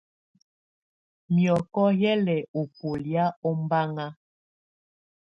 Miɔkɔ yɛ lɛ ɔ bɔlɛ̀á ɔmbaŋa.